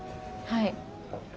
はい。